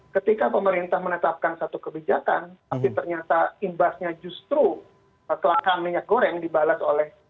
ketika pemerintah menetapkan satu kebijakan tapi ternyata imbasnya justru kelangkaan minyak goreng dibalas oleh